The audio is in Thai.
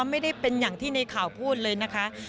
ไม่ได้เป็นอย่างที่ในข่าวพูดเลยนะคะ